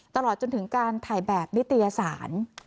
ตลอดจนถึงการถ่ายแบบนิตยสาร